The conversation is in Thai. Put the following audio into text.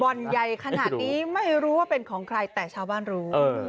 บ่อนใหญ่ขนาดนี้ไม่รู้ว่าเป็นของใครแต่ชาวบ้านรู้